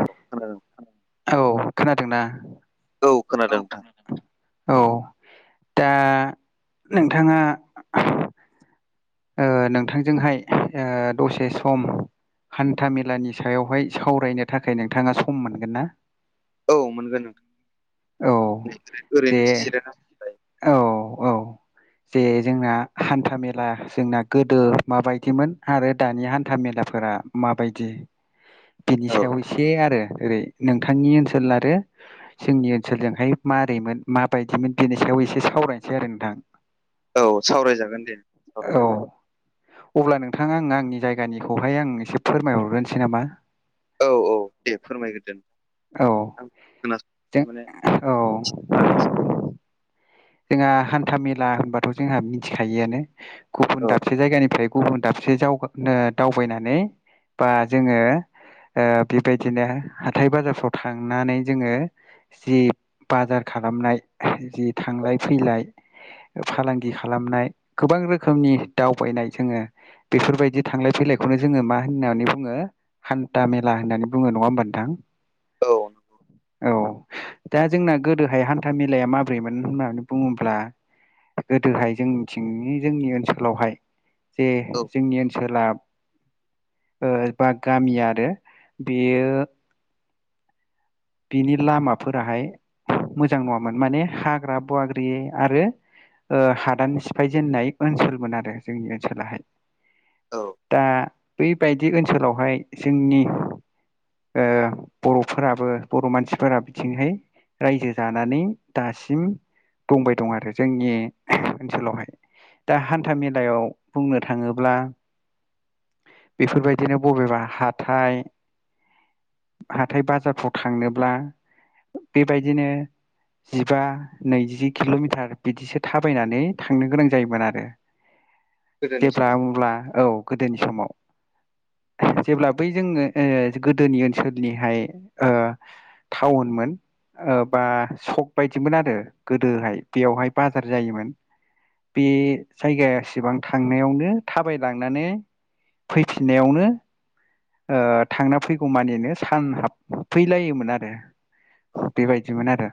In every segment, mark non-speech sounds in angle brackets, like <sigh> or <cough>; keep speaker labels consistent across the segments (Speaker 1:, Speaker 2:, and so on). Speaker 1: <unintelligible>
Speaker 2: औ खोनादोंना? औ
Speaker 1: खोनादों नोंथां
Speaker 2: औ दा नोंथाङा ओ नोंथांजोंहाय ओ दसे सम हान्थाामेलानि सायावहाय सावरायनो थाखाय नोंथाङा सम मोनगोन ना?
Speaker 1: औ मोनगोन
Speaker 2: औ
Speaker 1: नोंथां
Speaker 2: जे
Speaker 1: ओरैनो जिरायनासो दं।
Speaker 2: औ औ जे जोंना हान्था मेला जोंना गोदो माबायदिमोन आरो दानि हान्था मेलाफोरा माबायदि
Speaker 1: <inaudible>
Speaker 2: बिनि सायाव एसे आरो ओरै नोंथांनि ओनसोल आरो जोंनि ओनसोलजोंहाय माबोरैमोन माबायदिमोन बिनि सायाव एसे सावरायनोसै आरो नोंथां।
Speaker 1: औ सावरायजागोन दे सावरायजागोन।
Speaker 2: औ अब्ला नोंथाङा आं आंनि जायगानिखौहाय आं एसे फोरमायहरग्रोसै नामा
Speaker 1: औ औ दे फोरमायग्रोदो
Speaker 2: औ
Speaker 1: आं खोनास
Speaker 2: जों
Speaker 1: माने
Speaker 2: औ जोंहा हान्था मेला होनबाथ' जोंहा मिथिखायोआानो गुबुन
Speaker 1: औ
Speaker 2: दाबसे जायगानिफ्राय गुबुन दाबसे ज दावबायनानै बा जोंङो ओ बेबायदिनो हाथाय बाजारफ्राव थांनानै जोंङो जि बाजार खालामनाय जि थांलाय फैलाय
Speaker 1: औ
Speaker 2: फालांगि खालामनाय गोबां रोखोमनि दावबायनाय जोंङो बेफोरबायदि थांलाय फैलायखौनो जोंङो मा होननानै बुङो हान्था मेला होननानै बुङो नङा होमबा नोंथां
Speaker 1: औ नंगौ
Speaker 2: औ दा जोंना गोदोहाय हान्था मेलाया माब्रैमोन होननानै बुङोब्ला गोदोहाय जोंनिथिंनि जोंनि ओनसोलावहाय जे
Speaker 1: औ
Speaker 2: जोंनि ओनसोला ओ बा गामि आरो बेयो बिनि लामाफोराहाय मोजां नङामोन माने हाग्रा बाग्रि आरो ओ हादान सिफाय जेननाय ओनसोलमोन आरो जोंनि ओनसोलाहाय
Speaker 1: औ
Speaker 2: दा बेफ बायदि ओनसोलावहाय जोंनि ओ बर'फोराबो बर' मानसिफोरा बिथिंहाय रायजो जानानै दासिम दंबाय दं आरो जोंनि ओनसोलावहाय दा हान्था मेलायाव बुंनो थाङोब्ला बेफोरबायदिनो बबेबा हाथाइ हाथाय बाजारफ्राव थांनोब्ला बेबायदिनो जिबा नैजि किल'मिटार बिदिसो थाबायनानै थांनो गोनां जायोमोन आरो
Speaker 1: <inaudible>
Speaker 2: जेफा
Speaker 1: समाव
Speaker 2: अब्ला औ गोदोनि समाव जेब्ला बै जोङो ओ गोदोनि ओनसोलनिहाय ओ
Speaker 1: <inaudible>
Speaker 2: टाउनमोन ओ बा सक बायदिमोन आरो गोदोहाय बेवहाय बाजार जायोमोन बे जायगायासेबां थांनायावनो थाबायलांनानै फैफिननायावनो ओ थांना फैगौ मानिनो सान हाबफैलायोमोन आरो
Speaker 1: औ
Speaker 2: बेबायदिमोन आरो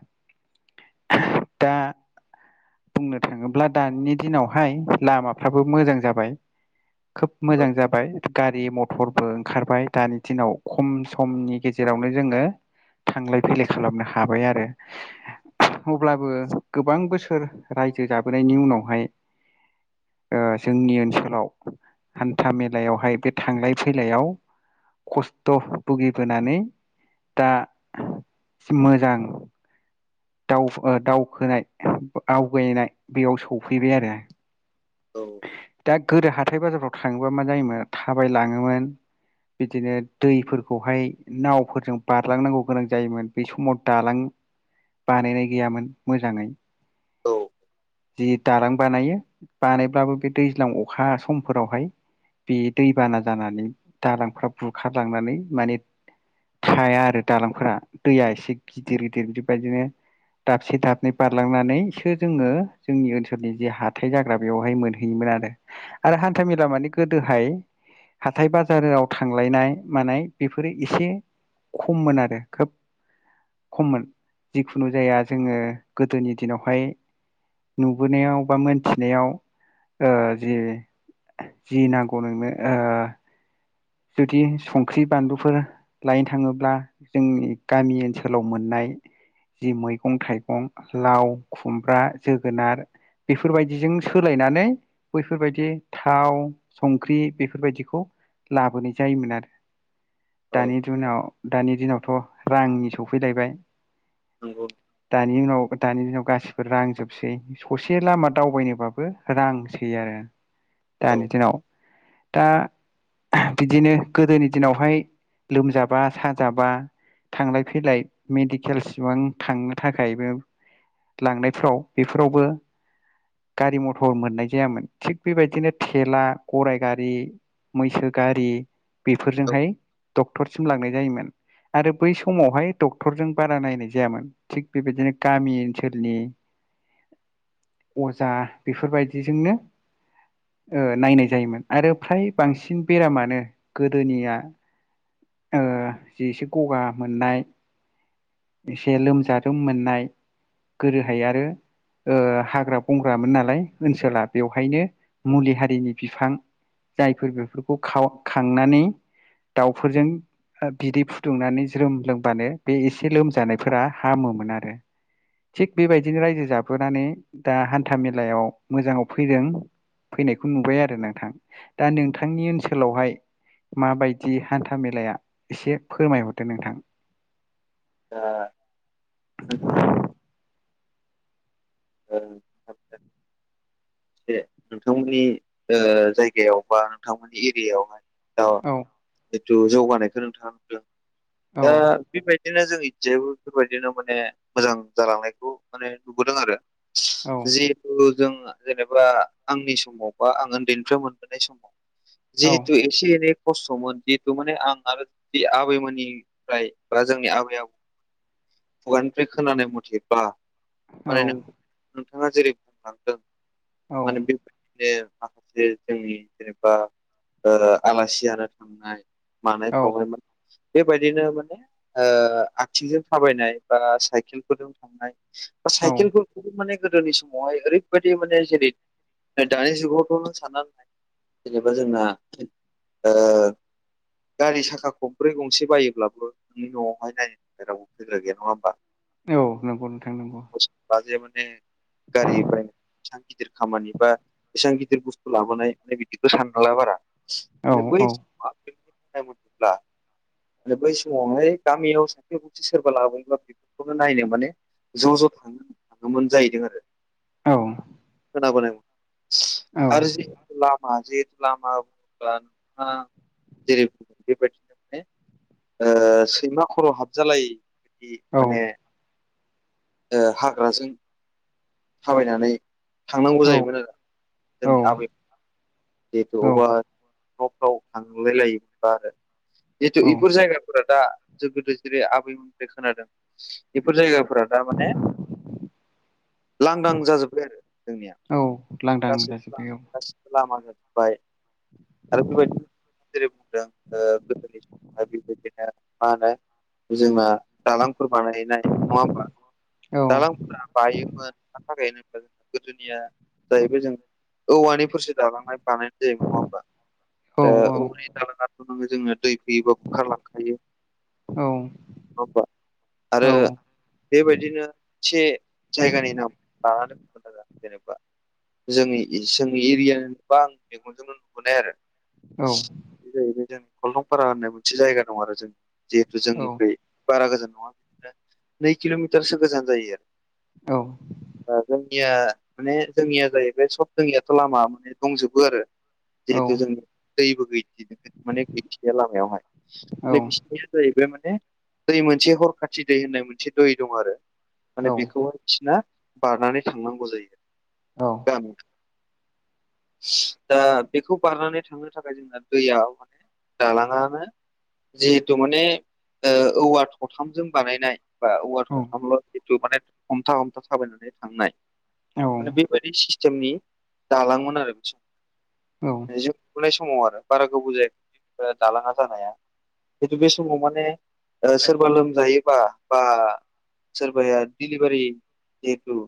Speaker 2: दा बुंनो थाङोब्ला दानि दिनावहाय लामाफ्राबो मोजां जाबाय खोब मोजां
Speaker 1: औ
Speaker 2: जाबाय गारि मथरबो खारबाय दानि दिनाव खम समनि गेजेरावनो जोङो थांलाय फैलाय खालामनो हाबाय आरो अब्लाबो गोबां बोसोर रायजो जाबोनायनि उनावहाय ओ जोंनि ओनसोलाव हान्था मेलायावहाय बे थांलाय फैलायाव खस्थ' भुगिबोनानै दा मोजां दाव ओ दावखोनाय आवगायनाय बेयाव सौफैबाय आरो
Speaker 1: औ
Speaker 2: दा गोदो हाथाय बाजारफ्राव थाङोबा मा जायोमोन थाबाय लाङोमोन बिदिनो दैफोरखौहाय नावफोरजों बारलांनांगौ गोनां जायोमोन बै समाव दालां बानायनाय गैयामोन मोजाङै
Speaker 1: औ
Speaker 2: जि दालां बानायो बानायब्लाबो बे दैज्लां अखा समफोरावहाय बे दैबाना जानानै दालांफ्रा बुरखारलांनानै माने थाया आरो दालांफोरा दैया एसे गिदिर गिदिर बिबायदिनो दाबसे दाबनै बारलांनानैसो जोङो जोंनि ओनसोलनि जे हाथाय जाग्रा बेवहाय मोनो <unintelligible> आरो हानथा मेला माने गोदोहाय हाथाइ बा <unintelligible> राव थांलायनाय मानाय बेफोरो एसे खममोन आरो खोब खममोन जिखुनु जाया जोङो गोदोनि दिनावहाय नुबोनायाव बा मोनथिनायाव ओ जि जि नांगौ नोंनो ओ जुदि संख्रि बानलुफोर लायनो थाङोब्ला जोंनि गामि ओनसोलाव मोननाय जि मैगं-थाइगं लाव, खुमब्रा, जोगोनार बेफोरबायदिजों सोलायनानै बैफोरबायदि थाव संख्रि बेफोरबायदिखौ लाबोनाय जायोमोन आरो
Speaker 1: औ
Speaker 2: दानि दुनाव दानि दिनावथ' रांनि सौफैलायबाय
Speaker 1: नंगौ
Speaker 2: दानि उनाव दानि दिनाव गासिबो रांजोबसै ससे लामा दावबायनोबाबो रांसै आरो
Speaker 1: औ
Speaker 2: दानि दिनाव। दा बिदिनो गोदोनि दिनावहाय लोमजाबा साजाबा थांलाय फैलाय मेडिकेल सिबां थांनो थाखायबो लांनायफोराव बेफोरावबो गारि मथर मोननाय जायामोन। थिग बेबायदिनो थेला, गराय गारि मैसो गारि
Speaker 1: औ
Speaker 2: बेफोरजोंहाय डक्टरसिम लांनाय जायोमोन। आरो बै समावहाय डक्टरजों बारा नायनाय जायामोन। थिग बेबायदिनो गामि ओनसोलनि अजा बेफोरबायदिजोंनो नायनाय जायोमोन आरो फ्राय बांसिन बेरामानो गोदोनिया जि एसे गगा मोननाय एसे लोमजारोम मोननाय, गोरोहाय आरो हाग्रा बंग्रामोन नालाय ओनसोला, बेवहायनो मुलि हारिनि बिफां जायफोर बेफोरखौ खाव खांनानै दाउफोरजों बिदै फुदुंनानै ज्रोम लोंबानो बे एसे लोमजानायफोरा हामोमोन आरो। थिग बेबायदिनो रायजो जाबोनानै दा हान्था मेलायाव मोजाङाव फैदों। फैनायखौ नुबाय आरो नोंथां। दा नोंथांनि ओन सोलावहाय माबायदि हान्था मेलाया एसे फोरमायहरदो नोंथां।
Speaker 1: <unintelligible> <unintelligible> एह नोंथांमोननि ओ जायगायाव बा नोंथांमोननि एरियायाव दा
Speaker 2: औ
Speaker 1: जिहेथु जौगानायखौ नोंथाङा नुदों।
Speaker 2: औ
Speaker 1: दा बेबायदि बिदिनो जों इज्जायबो बेफोरबायदिनो माने मोजां जालांनायखौ माने नुबोदों आरो।
Speaker 2: औ
Speaker 1: जिहेथु जों जेनेबा आंनि समाव बा आं उन्दैनिफ्राय मोनबोनाय समाव
Speaker 2: औ
Speaker 1: जिहेतु एसे एनै खस्थ'मोन जिहेतु माने आं आरो जि आबैमोननिफ्राय बा जोंनि आबै आबौ खुगानिफ्राय खोनानाय मथेबब्ला माने
Speaker 2: औ
Speaker 1: नों नोंथाङा जेरै बुंलांदों
Speaker 2: औ
Speaker 1: माने बेबायदिनो माखासे जोंनि जेनेबा आलासि जानो थांनाय
Speaker 2: औ
Speaker 1: मानायफ्रावहाय मा बेबायदिनो माने आथिंजों थाबायनाय बा साइकेलफोरदों थांनाय बा
Speaker 2: औ
Speaker 1: साइकेलफोरखौबो माने गोदोनि समावहाय ओरै बादि माने जेरै दानि जुगावथ' नों साननानै जेनेबा जोंना गारि साखा खमब्रै गंसे बायोब्लाबो नोंनि न'आवहाय नाय बाहेराव दोनग्रा गैया नङा होमबा?
Speaker 2: औ नंगौ नोंथां नंगौ।
Speaker 1: बा जे माने गारिफ्रा <unintelligible> गिदिर खामानि बा एसां गिदिर बुस्थु लाबोनाय बे बिदिखौ सानबांला बारा।
Speaker 2: औ
Speaker 1: माने
Speaker 2: औ
Speaker 1: बै <unintelligible> बुङोब्ला माने बै समावहाय गामियाव सासेे मानसि मानसि सोरबा लाबोयोबा बेफोरखौनो नायनो माने ज' ज' थाङोमोन जाहैदों आरो।
Speaker 2: औ।
Speaker 1: खोनाबोनाय आरो जिहेतु लामा जे लामा बुंब्ला नोंथाङा जेरै बेबायदिनो ओ सैमा खर' हाबजालायि बिदि
Speaker 2: औ
Speaker 1: माने ओ हाग्राजों थाबायनानै थांनांगौ जायोमोन आरो
Speaker 2: औ
Speaker 1: जोंनि आबै जिहेथु
Speaker 2: औ
Speaker 1: अबेबा न'फ्राव थांलाय लायोमोनबा आरो। जिथु
Speaker 2: औ
Speaker 1: इफोर जायगाफोरा दा जो गोदो जेरै आबैमोननिफ्राय खोनादों बेफोर जायगाफोरा दा माने लांदां जाजोब्बाय आरो जोंनिया
Speaker 2: औ लांदां
Speaker 1: गासै
Speaker 2: जाजोब्बाय औ
Speaker 1: <unintelligible> लामा जाजोबबाय आरो बेबायदिनो जेरै बुंदों ओ गोदोनि बेबायदिनो मा होनो जोंना दालांफोर बानाय नाय नङा होमबा दालां बायोमोन <unintelligible> गोदोनिया जाहैबाय जों औवानिफोरसो दालांनाय। बानायनाय जायोमोन नङा होमबा
Speaker 2: औ
Speaker 1: आरो औरै दालाङाथ' नोङो जोङो दै फुयोबा बुखारलांखायो नङा
Speaker 2: औ
Speaker 1: होमबा
Speaker 2: औ
Speaker 1: आरो बेबायदिनो से जायगानि नाम लानानै <unintelligible> जेनेबा जोंनि जोंनि एरिया गोबां मेगनजोंनो नुबोनाय आरो
Speaker 2: औ
Speaker 1: बे <unintelligible> कलथंपारा होननाय मोनसे जायगा दं आरो जों जिहेथु
Speaker 2: औ
Speaker 1: जोंनिफ्राय
Speaker 2: औ
Speaker 1: बारा गोजान नङा बिदिनो नै किल'मिटारसो गोजान जायो आरो
Speaker 2: औ
Speaker 1: दाजों या माने जोंनिया जाहैबाय सब जोंनियाथ' लामा माने दंजोबो आरो।
Speaker 2: जायो औ
Speaker 1: <unintelligible> माने गैथिया लामायावहाय माने
Speaker 2: औ
Speaker 1: बिसोरनिया जाहैबाय माने दै मोनसे हरखाथि दै होननाय मोनसे दै दं आरो माने बेखौहाय <unintelligible> बारनानै थांनांगौ जायो
Speaker 2: औ
Speaker 1: <unintelligible> दा बेखौ बारनानै थांनो थाखाय जोंना दैयाव माने दालाङानो जिहेथु माने ओ औवा थथामजों बानायनाय। बा औवा
Speaker 2: औ
Speaker 1: थथामल' जिथु माने हमथा हमथा थाबायनानै थांनाय माने बेबायदि बे सिस्टेमनि दालांमोन आरो बे
Speaker 2: औ।
Speaker 1: जिउ नुुनाय समाव आरो बारा गोबाव जायाखै दालाङा जानाया। खिन्थु बे समाव माने ओ सोरबा लोमजायोबा बा सोरबाया डिलिभारि जिहेथु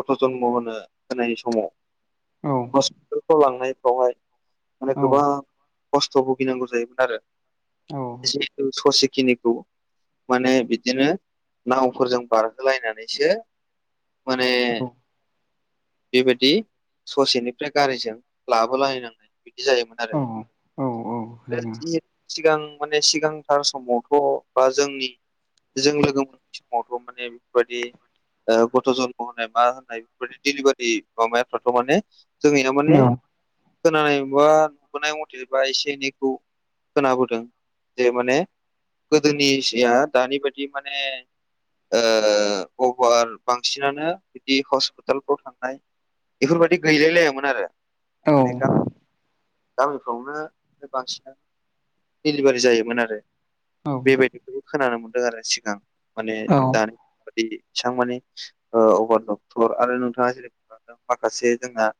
Speaker 1: गथ' जन्म होनो होनाय समाव बेवहाय माने गोबां खस्थ' भुगिनांगौ जायोमोन आरो <unintelligible> ससेखिनिखौ माने बिदिनो नावफोरजों बारहोलायनानैसो माने बेबायदि ससेनि ओमफ्राय गारिजों लाबोलायनांनाय बिदि जायोमोन आरो <unintelligible> सिगां माने सिगांथार समावथ' बा जोंनि जों लोगो <inaudible> समावथ' माने बेफोरबायदि ओ गथ' जन्म होनाय मा होननाय बेफोरबायदि डिलिभारि माबायाफ्राथ' माने जोङैया माने खोनानाय बा नुबोनाय मथे बा एसे एनैखौ खोनाबोदों जे माने गोदोनि जिया दानि बायदि माने ओ अभार बांसिनानो बिदि हस्पिटालफ्राव थांनाय बेफोरबायदि गैलायलायामोन आरो माने <unintelligible> गामिफ्रावनो बांसिनानो दिलिभारि जायोमोन आरो बेबायदि खोनानो मोनदों आरो सिगां माने दा दि बेसेबां माने ओ अभार डक्टर आरो नोंथाङा जेरै माखासे जोंहा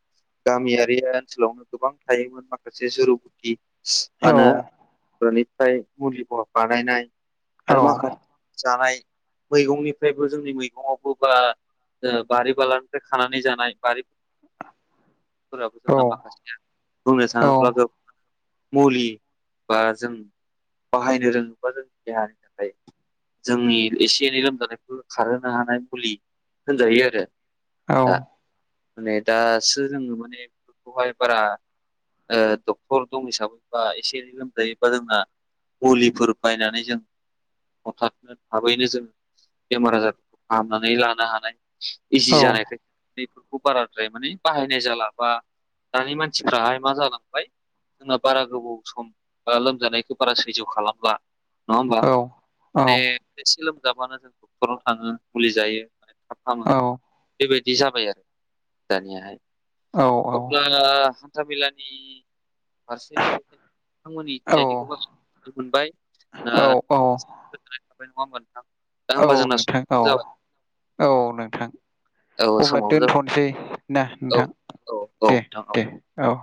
Speaker 1: गामियारि ओनसोलावनो गोबां थायोमोन माखासे जुरुगुथि। <unintelligible> बानायनाय आरो माखासे जानाय। मैगंनिफ्रायबो जोंनि मैगङावबो बा ओ बारि बालानिफ्राय खानानै जानाय बारि फोराबो जोंना माखासे बुंनो थाङोब्लाबो मुलि बा जों बाहायनो रोङोबा जोंनि देहानि थाखाय। जोंनि एसे एनै लोमजानायखौ खारहोनो हानाय मुलि होनजायो आरो।
Speaker 2: औ
Speaker 1: दा माने दासो जोङो माने बेफोरखौहाय बारा ओ डक्टर दं हिसाबैबा एसे एनै लोमजायोबा जोंना मुलिफोर बायनानै जों हथाबनो थाबैनो जोङो बेमार आजारफोरखौ फाहामनानै लानो हानाय
Speaker 2: औ
Speaker 1: इजि जानायखाय बेफोरखौ बाराद्राय माने बाहायनाय जालाबा दानि मानसिफ्राहाय मा जालांबाय जोंना बारा गोबाव सम बा लोमजानायखौ बारा सैज्य खालामला नङा होमबा
Speaker 2: औ औ
Speaker 1: माने एसे लोमजाबानो जों डक्टराव थाङो मुलि जायो माने थाब खालामो बेबायदि जाबाय आरो दानियाहाय
Speaker 2: औ
Speaker 1: अब्ला हान्था मेलानि फारसे बिथांमोननि
Speaker 2: औ
Speaker 1: जायगानिखौनो मोनथिनो मोनबाय ओ
Speaker 2: औ
Speaker 1: <unintelligible> नङा होनोबा नोंथां दा
Speaker 2: औ
Speaker 1: होमबा जोंना
Speaker 2: नोंथां
Speaker 1: समाबो
Speaker 2: औ
Speaker 1: जाबाय
Speaker 2: औ नोंथां
Speaker 1: औ
Speaker 2: अब्ला
Speaker 1: समाबो जाबाय
Speaker 2: दोनथ'नसै दा
Speaker 1: औ
Speaker 2: नोंथां
Speaker 1: औ औ
Speaker 2: दे
Speaker 1: नोंथां औ
Speaker 2: दे औ